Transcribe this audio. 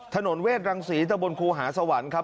เวทรังศรีตะบนครูหาสวรรค์ครับ